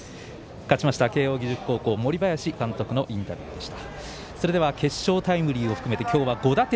勝ちました慶応義塾高校森林監督のインタビューでした。